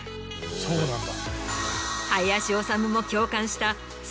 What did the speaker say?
そうなんだ。